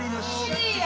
Ｃや！